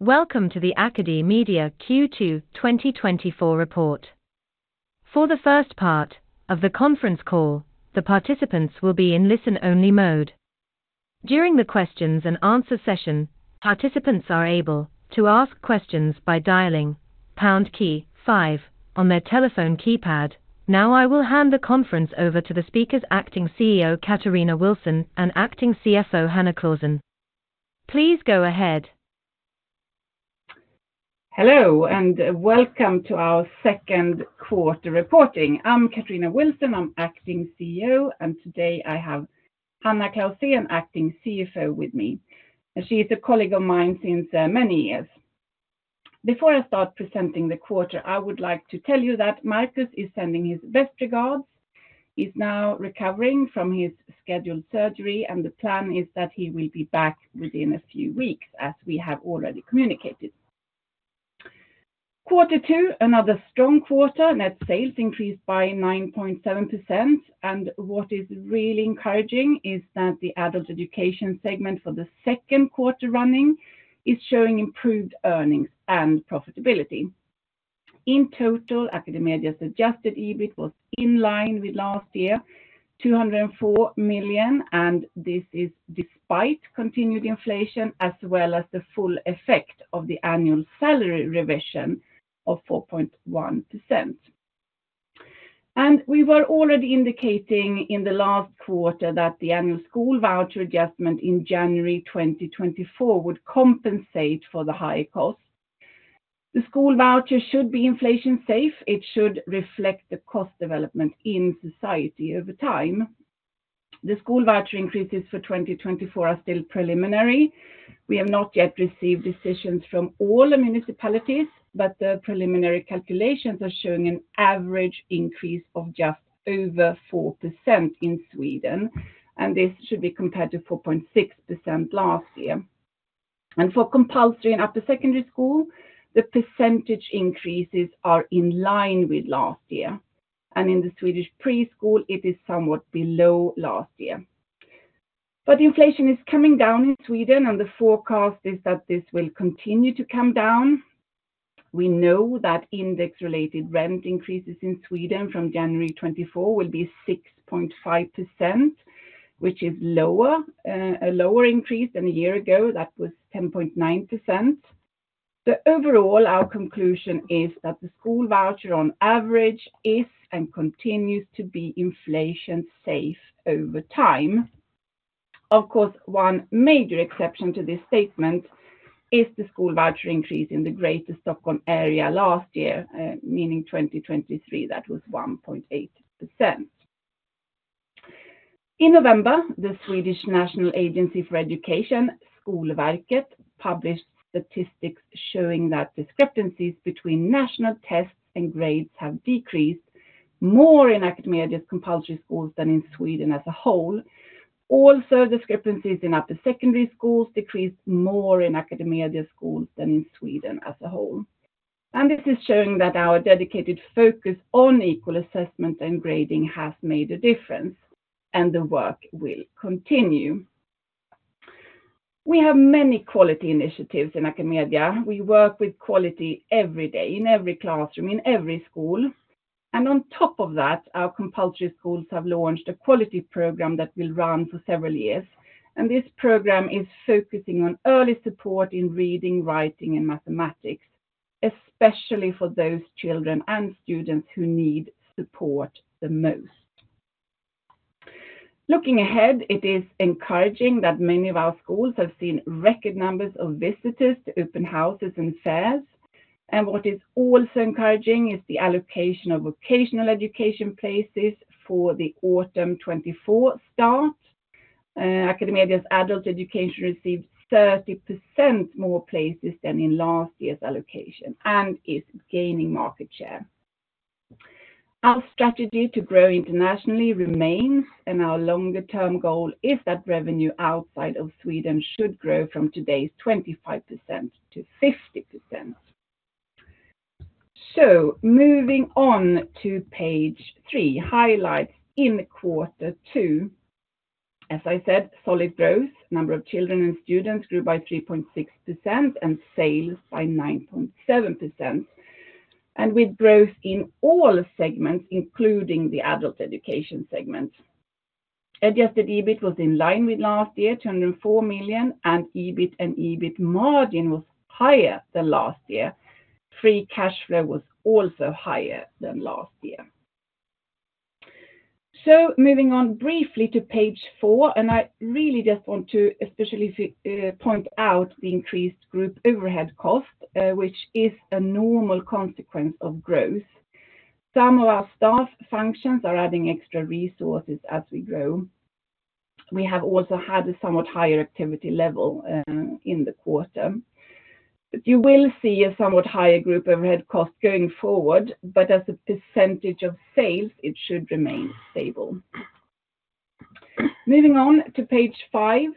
Welcome to the AcadeMedia Q2 2024 report. For the first part of the conference call, the participants will be in listen-only mode. During the questions and answer session, participants are able to ask questions by dialing pound key five on their telephone keypad. Now, I will hand the conference over to the speakers, Acting CEO Katarina Wilson, and Acting CFO Hanna Clausén. Please go ahead. Hello, and welcome to our second quarter reporting. I'm Katarina Wilson, I'm Acting CEO, and today I have Hanna Clausén, Acting CFO, with me. And she is a colleague of mine since many years. Before I start presenting the quarter, I would like to tell you that Marcus is sending his best regards. He's now recovering from his scheduled surgery, and the plan is that he will be back within a few weeks, as we have already communicated. Quarter two, another strong quarter. Net sales increased by 9.7%, and what is really encouraging is that the adult education segment for the second quarter running is showing improved earnings and profitability. In total, AcadeMedia's Adjusted EBIT was in line with last year, 204 million, and this is despite continued inflation, as well as the full effect of the annual salary revision of 4.1%. We were already indicating in the last quarter that the annual school voucher adjustment in January 2024 would compensate for the high cost. The school voucher should be inflation-safe. It should reflect the cost development in society over time. The school voucher increases for 2024 are still preliminary. We have not yet received decisions from all the municipalities, but the preliminary calculations are showing an average increase of just over 4% in Sweden, and this should be compared to 4.6% last year. And for compulsory and after secondary school, the percentage increases are in line with last year, and in the Swedish preschool, it is somewhat below last year. But inflation is coming down in Sweden, and the forecast is that this will continue to come down. We know that index-related rent increases in Sweden from January 2024 will be 6.5%, which is lower, a lower increase than a year ago. That was 10.9%. So overall, our conclusion is that the school voucher, on average, is and continues to be inflation-safe over time. Of course, one major exception to this statement is the school voucher increase in the Greater Stockholm area last year, meaning 2023. That was 1.8%. In November, the Swedish National Agency for Education, Skolverket, published statistics showing that discrepancies between national tests and grades have decreased more in AcadeMedia's compulsory schools than in Sweden as a whole. Discrepancies in upper secondary schools decreased more in AcadeMedia schools than in Sweden as a whole. This is showing that our dedicated focus on equal assessment and grading has made a difference, and the work will continue. We have many quality initiatives in AcadeMedia. We work with quality every day, in every classroom, in every school, and on top of that, our compulsory schools have launched a quality program that will run for several years. This program is focusing on early support in reading, writing, and mathematics, especially for those children and students who need support the most. Looking ahead, it is encouraging that many of our schools have seen record numbers of visitors to open houses and fairs. And what is also encouraging is the allocation of vocational education places for the autumn 2024 start. AcadeMedia's adult education received 30% more places than in last year's allocation and is gaining market share. Our strategy to grow internationally remains, and our longer term goal is that revenue outside of Sweden should grow from today's 25% to 50%. So moving on to page 3, highlights in quarter two. As I said, solid growth. Number of children and students grew by 3.6% and sales by 9.7%. And with growth in all segments, including the adult education segment. Adjusted EBIT was in line with last year, 204 million, and EBIT and EBIT margin was higher than last year. Free cash flow was also higher than last year. So moving on briefly to page four, and I really just want to especially point out the increased group overhead cost, which is a normal consequence of growth. Some of our staff functions are adding extra resources as we grow. We have also had a somewhat higher activity level in the quarter. But you will see a somewhat higher group overhead cost going forward, but as a percentage of sales, it should remain stable. Moving on to page five,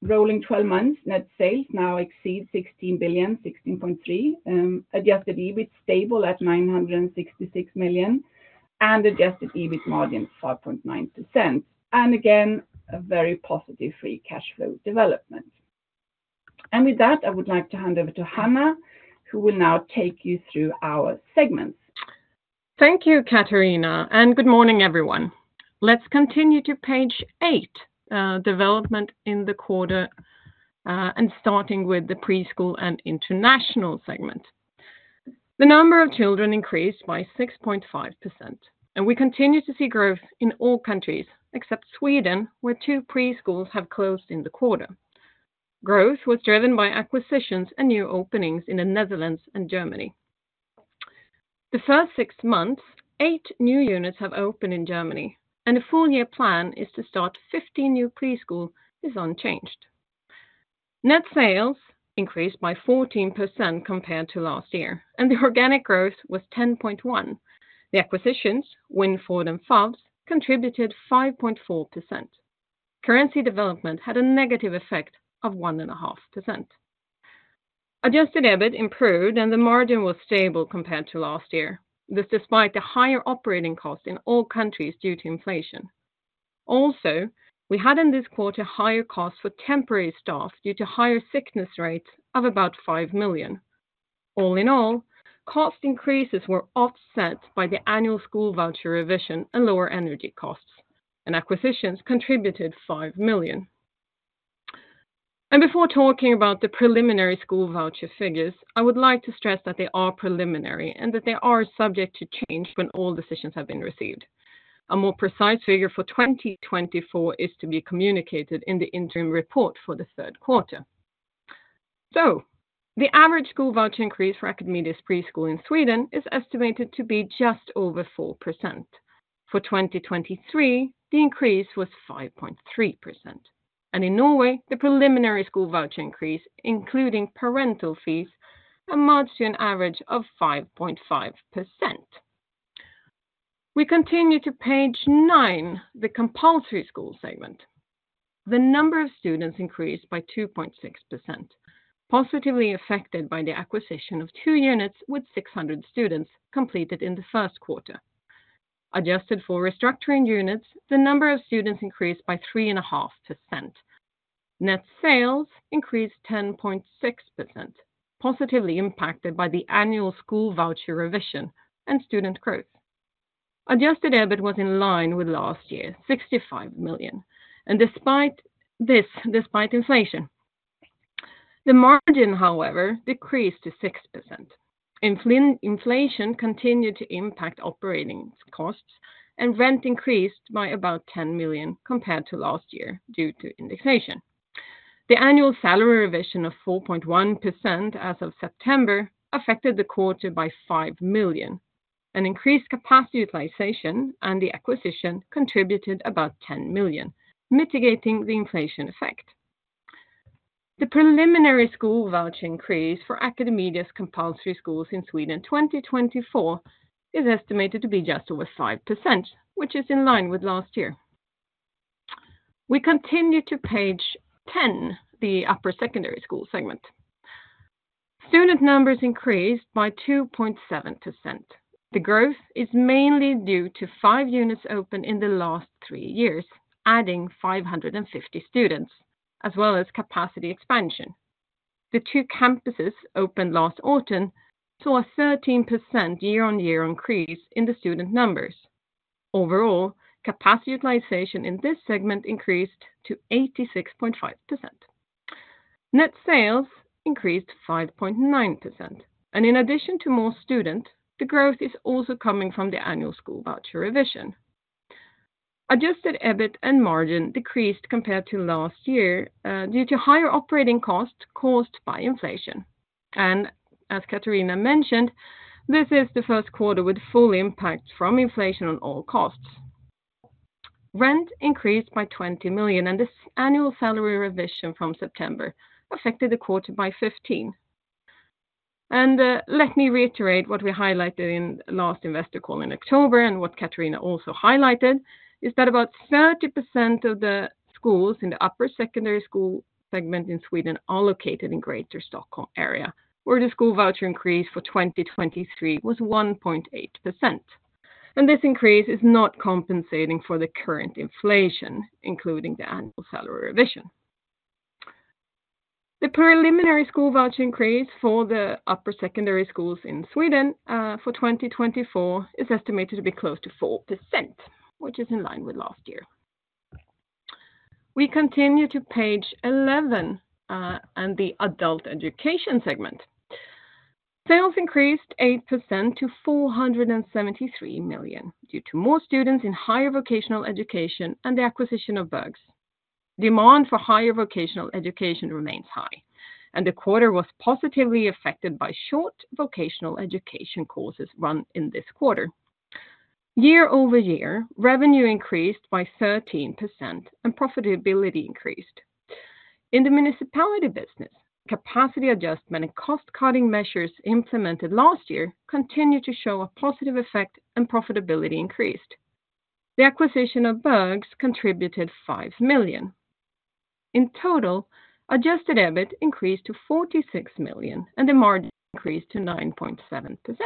rolling twelve months. Net sales now exceed 16.3 billion. Adjusted EBIT stable at 966 million, and adjusted EBIT margin 5.9%. And again, a very positive free cash flow development. And with that, I would like to hand over to Hanna, who will now take you through our segments. Thank you, Katarina, and good morning, everyone. Let's continue to page 8, development in the quarter, and starting with the preschool and international segment. The number of children increased by 6.5%, and we continue to see growth in all countries except Sweden, where 2 preschools have closed in the quarter. Growth was driven by acquisitions and new openings in the Netherlands and Germany. The first 6 months, 8 new units have opened in Germany, and the full year plan is to start 15 new preschools unchanged. Net sales increased by 14% compared to last year, and the organic growth was 10.1%. The acquisitions, Winford and FAWZ, contributed 5.4%. Currency development had a negative effect of 1.5%. Adjusted EBIT improved, and the margin was stable compared to last year. This despite a higher operating cost in all countries due to inflation. Also, we had in this quarter higher costs for temporary staff due to higher sickness rates of about 5 million. All in all, cost increases were offset by the annual school voucher revision and lower energy costs, and acquisitions contributed 5 million. And before talking about the preliminary school voucher figures, I would like to stress that they are preliminary and that they are subject to change when all decisions have been received. A more precise figure for 2024 is to be communicated in the interim report for the third quarter. So the average school voucher increase for AcadeMedia's preschool in Sweden is estimated to be just over 4%. For 2023, the increase was 5.3%, and in Norway, the preliminary school voucher increase, including parental fees, amounts to an average of 5.5%. We continue to page 9, the compulsory school segment. The number of students increased by 2.6%, positively affected by the acquisition of 2 units, with 600 students completed in the first quarter. Adjusted for restructuring units, the number of students increased by 3.5%. Net sales increased 10.6%, positively impacted by the annual school voucher revision and student growth. Adjusted EBIT was in line with last year, 65 million, and despite this, despite inflation, the margin, however, decreased to 6%. Inflation continued to impact operating costs, and rent increased by about 10 million compared to last year due to indexation. The annual salary revision of 4.1% as of September affected the quarter by 5 million. An increased capacity utilization and the acquisition contributed about 10 million, mitigating the inflation effect. The preliminary school voucher increase for AcadeMedia's compulsory schools in Sweden, 2024, is estimated to be just over 5%, which is in line with last year. We continue to page 10, the upper secondary school segment. Student numbers increased by 2.7%. The growth is mainly due to 5 units open in the last 3 years, adding 550 students, as well as capacity expansion. The two campuses opened last autumn, saw a 13% year-on-year increase in the student numbers. Overall, capacity utilization in this segment increased to 86.5%. Net sales increased 5.9%, and in addition to more students, the growth is also coming from the annual school voucher revision. Adjusted EBIT and margin decreased compared to last year due to higher operating costs caused by inflation. And as Katarina mentioned, this is the first quarter with full impact from inflation on all costs. Rent increased by 20 million, and this annual salary revision from September affected the quarter by 15 million. And let me reiterate what we highlighted in last investor call in October, and what Katarina also highlighted, is that about 30% of the schools in the upper secondary school segment in Sweden are located in Greater Stockholm area, where the school voucher increase for 2023 was 1.8%. And this increase is not compensating for the current inflation, including the annual salary revision. The preliminary school voucher increase for the upper secondary schools in Sweden for 2024 is estimated to be close to 4%, which is in line with last year. We continue to page 11 and the adult education segment. Sales increased 8% to 473 million, due to more students in higher vocational education and the acquisition of Berghs. Demand for higher vocational education remains high, and the quarter was positively affected by short vocational education courses run in this quarter. Year-over-year, revenue increased by 13%, and profitability increased. In the municipality business, capacity adjustment and cost-cutting measures implemented last year continued to show a positive effect, and profitability increased. The acquisition of Berghs contributed 5 million. In total, adjusted EBIT increased to 46 million, and the margin increased to 9.7%. But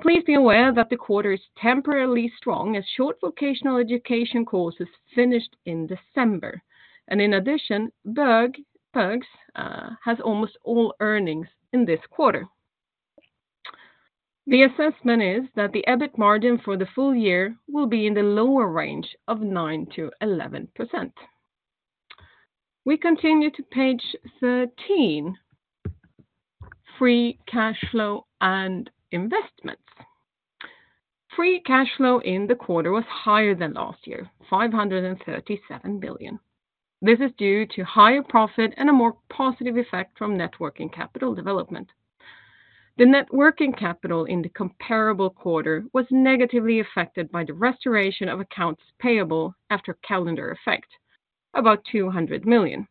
please be aware that the quarter is temporarily strong, as short vocational education courses finished in December. In addition, Berghs has almost all earnings in this quarter. The assessment is that the EBIT margin for the full year will be in the lower range of 9%-11%. We continue to page 13: Free cash flow and investments. Free cash flow in the quarter was higher than last year, 537 billion. This is due to higher profit and a more positive effect from net working capital development. The net working capital in the comparable quarter was negatively affected by the restoration of accounts payable after calendar effect, about 200 million.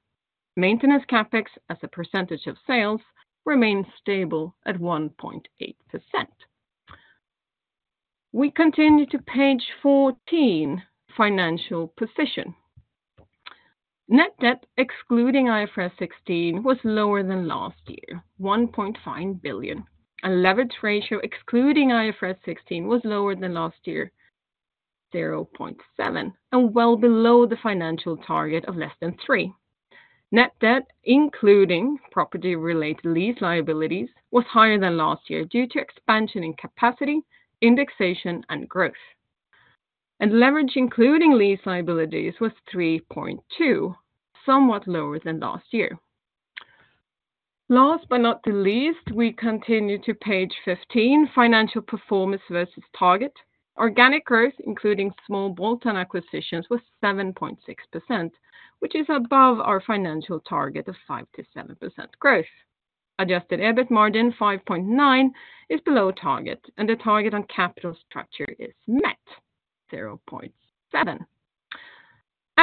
Maintenance CapEx, as a percentage of sales, remains stable at 1.8%. We continue to page 14: Financial position. Net debt, excluding IFRS 16, was lower than last year, 1.5 billion. Leverage ratio, excluding IFRS 16, was lower than last year, 0.7, and well below the financial target of less than three. Net debt, including property-related lease liabilities, was higher than last year due to expansion in capacity, indexation, and growth. Leverage, including lease liabilities, was 3.2, somewhat lower than last year. Last but not the least, we continue to page 15: Financial performance versus target. Organic growth, including small bolt-on acquisitions, was 7.6%, which is above our financial target of 5%-7% growth. Adjusted EBIT margin, 5.9%, is below target, and the target on capital structure is met, 0.7.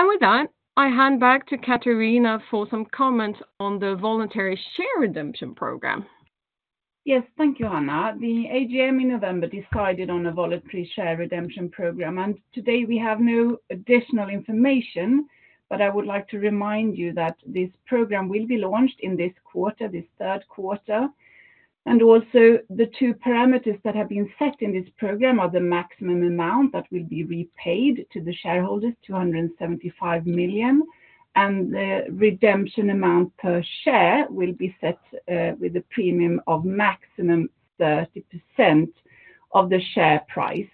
With that, I hand back to Katarina for some comments on the voluntary share redemption program. Yes, thank you, Hanna. The AGM in November decided on a voluntary share redemption program, and today we have no additional information. But I would like to remind you that this program will be launched in this quarter, this third quarter. And also, the two parameters that have been set in this program are the maximum amount that will be repaid to the shareholders, 275 million, and the redemption amount per share will be set with a premium of maximum 30% of the share price.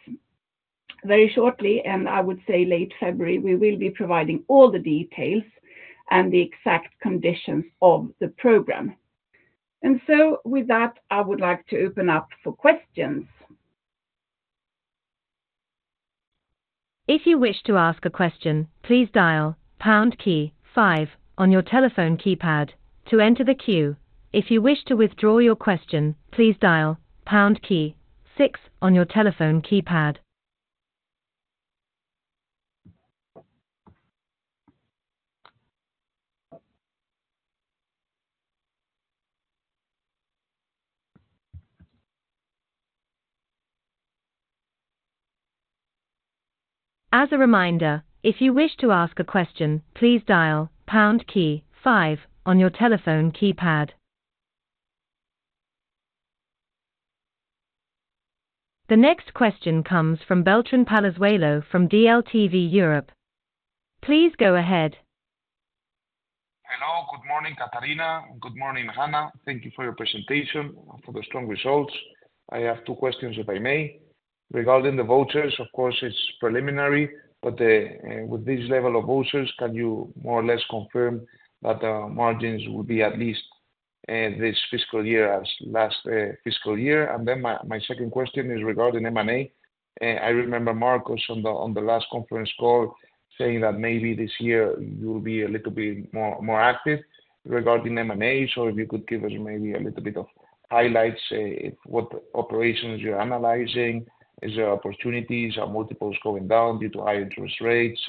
Very shortly, and I would say late February, we will be providing all the details and the exact conditions of the program. And so with that, I would like to open up for questions. If you wish to ask a question, please dial pound key five on your telephone keypad to enter the queue. If you wish to withdraw your question, please dial pound key six on your telephone keypad. As a reminder, if you wish to ask a question, please dial pound key five on your telephone keypad. The next question comes from Beltrán Palazuelo from DLTV Europe. Please go ahead. Hello, good morning, Katarina. Good morning, Hanna. Thank you for your presentation and for the strong results. I have two questions, if I may. Regarding the vouchers, of course, it's preliminary, but with this level of vouchers, can you more or less confirm that the margins will be at least this fiscal year as last fiscal year? And then my second question is regarding M&A. I remember Marcus on the last conference call saying that maybe this year you will be a little bit more active regarding M&A. So if you could give us maybe a little bit of highlights, what operations you're analyzing. Is there opportunities? Are multiples going down due to high interest rates?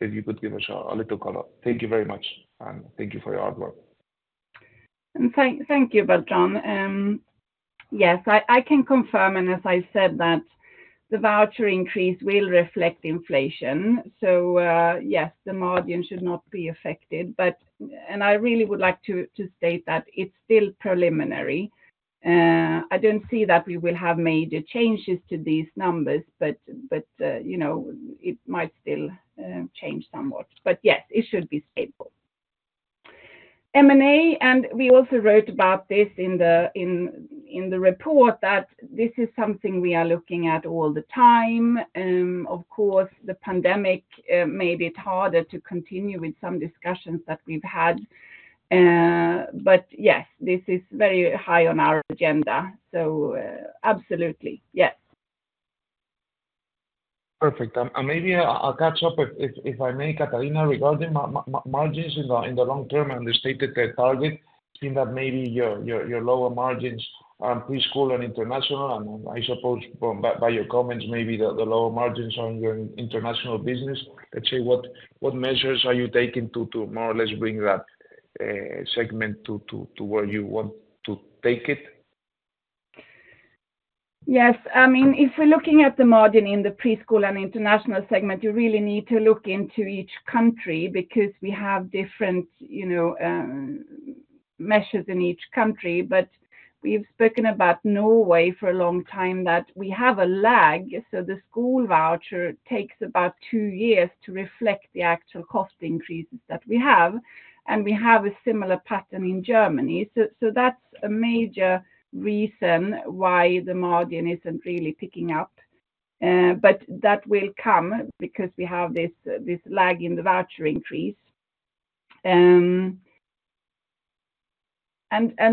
If you could give us a little color. Thank you very much, and thank you for your hard work. Thank you, Beltrán. Yes, I can confirm, and as I said, that the voucher increase will reflect inflation. So, yes, the margin should not be affected, but, and I really would like to state that it's still preliminary. I don't see that we will have major changes to these numbers, but, you know, it might still change somewhat. But yes, it should be stable. M&A, and we also wrote about this in the report, that this is something we are looking at all the time. Of course, the pandemic made it harder to continue with some discussions that we've had. But yes, this is very high on our agenda. So, absolutely, yes. Perfect. And maybe I'll catch up if I may, Katarina, regarding margins in the long term and the stated target, seeing that maybe your lower margins are preschool and international. And I suppose by your comments, maybe the lower margins on your international business, let's say, what measures are you taking to more or less bring that segment to where you want to take it? Yes. I mean, if we're looking at the margin in the preschool and international segment, you really need to look into each country because we have different, you know, measures in each country, but we've spoken about Norway for a long time, that we have a lag. So the school voucher takes about two years to reflect the actual cost increases that we have, and we have a similar pattern in Germany. So that's a major reason why the margin isn't really picking up. But that will come because we have this lag in the voucher increase. And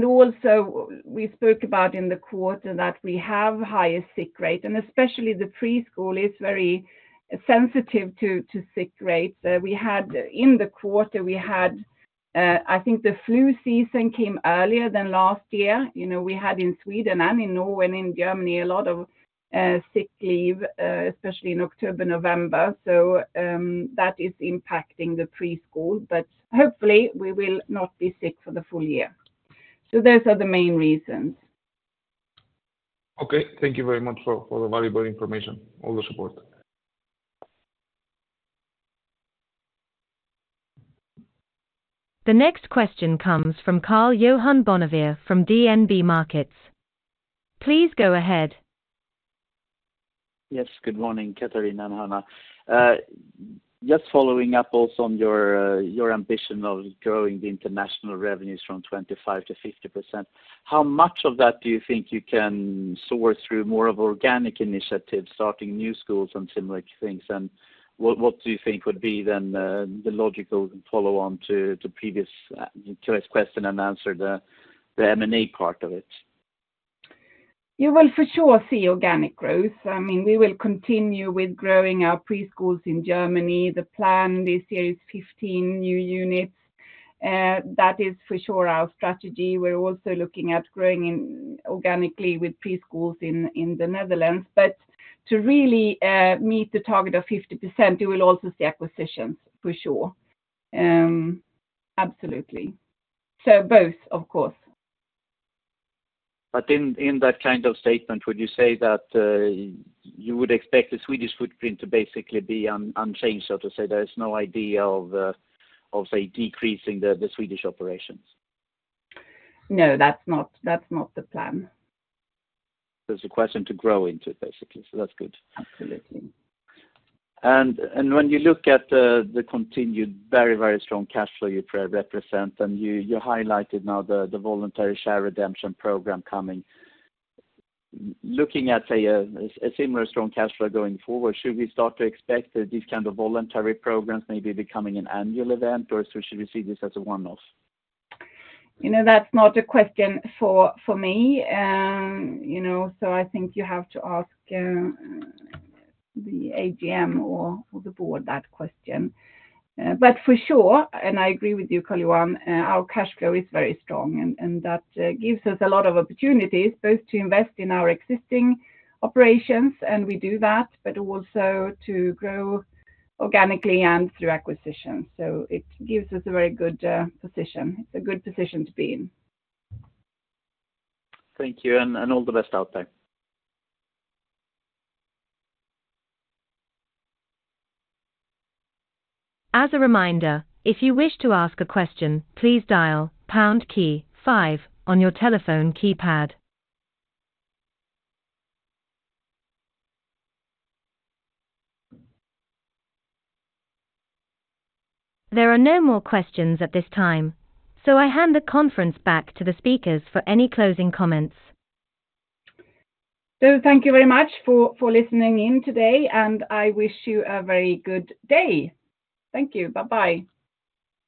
also, we spoke about in the quarter that we have higher sick rate, and especially the preschool is very sensitive to sick rates. We had in the quarter, I think the flu season came earlier than last year. You know, we had in Sweden and in Norway and in Germany, a lot of sick leave, especially in October, November. So, that is impacting the preschool, but hopefully we will not be sick for the full year. So those are the main reasons. Okay. Thank you very much for the valuable information. All the support. The next question comes from Karl-Johan Bonnevier from DNB Markets. Please go ahead. Yes, good morning, Katarina and Hanna. Just following up also on your ambition of growing the international revenues from 25%-50%. How much of that do you think you can source through more of organic initiatives, starting new schools and similar things? And what do you think would be then the logical follow-on to previous Q&A, the M&A part of it? You will for sure see organic growth. I mean, we will continue with growing our preschools in Germany. The plan this year is 15 new units, that is for sure our strategy. We're also looking at growing inorganically with preschools in the Netherlands, but to really, meet the target of 50%, you will also see acquisitions for sure. Absolutely. So both, of course. But in that kind of statement, would you say that you would expect the Swedish footprint to basically be unchanged, so to say? There is no idea of, say, decreasing the Swedish operations. No, that's not, that's not the plan. It's a question to grow into, basically. That's good. Absolutely. When you look at the continued very strong cash flow you represent, and you highlighted now the voluntary share redemption program coming. Looking at, say, a similar strong cash flow going forward, should we start to expect that these kind of voluntary programs may be becoming an annual event, or so should we see this as a one-off? You know, that's not a question for me. You know, so I think you have to ask the AGM or the board that question. But for sure, and I agree with you, Carl Johan, our cash flow is very strong, and that gives us a lot of opportunities, both to invest in our existing operations, and we do that, but also to grow organically and through acquisition. So it gives us a very good position. It's a good position to be in. Thank you, and all the best out there. As a reminder, if you wish to ask a question, please dial pound key five on your telephone keypad. There are no more questions at this time, so I hand the conference back to the speakers for any closing comments. So thank you very much for listening in today, and I wish you a very good day. Thank you. Bye-bye.